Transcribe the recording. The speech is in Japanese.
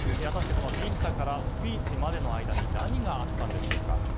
果たしてビンタからスピーチまでの間に何があったんでしょうか。